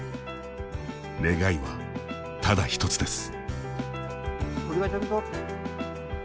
願いは、ただ一つです。